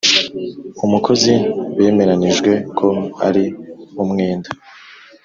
umukozi bemeranijwe ko ari umwenda